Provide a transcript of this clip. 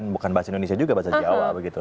bukan bahasa indonesia juga bahasa jawa begitu